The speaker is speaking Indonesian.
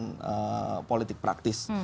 persoalan politik praktis